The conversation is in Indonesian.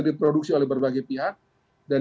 diproduksi oleh berbagai pihak dan